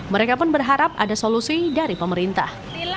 mereka pun berharap ada solusi dari pemerintah